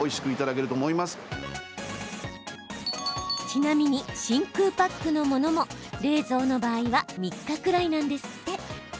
ちなみに、真空パックのものも冷蔵の場合は３日くらいなんですって。